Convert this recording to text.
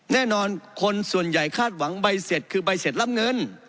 แน่นอนคนส่วนใหญ่คาดหวังใบเสร็จคือใบเสร็จรับเงิน